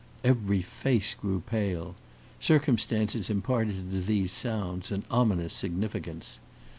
Every face grew pale. Circumstances imparted to these sounds an ominous significance.